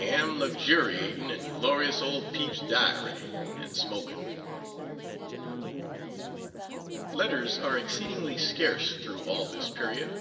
Am luxuriating in glorious old Pepy's Diary, and smoking. Letters are exceedingly scarce through all this period.